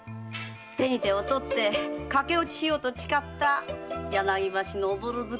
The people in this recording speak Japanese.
手に手を取って駆け落ちしようと誓った柳橋の朧月夜の晩をさ。